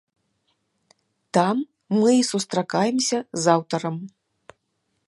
Там мы і сустракаемся з аўтарам.